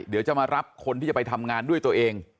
เดี๋ยวจะมารับคนที่จะไปทำงานด้วยตัวเอง